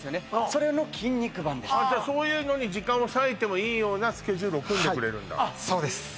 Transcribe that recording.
それの筋肉版でじゃあそういうのに時間を割いてもいいようなスケジュールを組んでくれるんだはいそうです